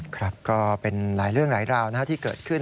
ครับก็เป็นหลายเรื่องหลายราวที่เกิดขึ้น